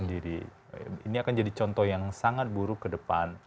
ini akan jadi contoh yang sangat buruk ke depan